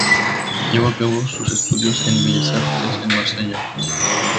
Llevó a cabo sus estudios en bellas artes en Marsella.